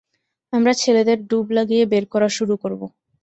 আমরা ছেলেদের ডুব লাগিয়ে বের করা শুরু করবো।